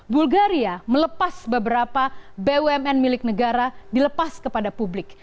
bulgaria melepas beberapa bumn milik negara dilepas kepada publik